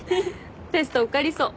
テスト受かりそう。